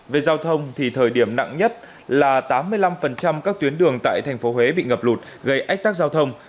về giao thông thì thời điểm nặng nhất là tám mươi năm các tuyến đường tại thành phố huế bị ngập lụt gây ách tắc giao thông